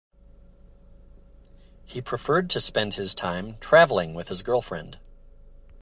He preferred to spend his time travelling with his girlfriend.